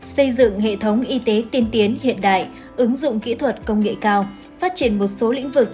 xây dựng hệ thống y tế tiên tiến hiện đại ứng dụng kỹ thuật công nghệ cao phát triển một số lĩnh vực